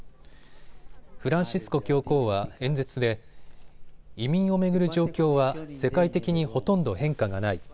フランシスコ教皇は演説で移民を巡る状況は世界的にほとんど変化がない。